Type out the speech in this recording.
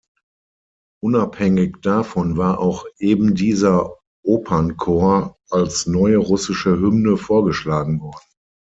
Unabhängig davon war auch ebendieser Opernchor als neue russische Hymne vorgeschlagen worden.